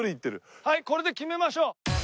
はいこれで決めましょう。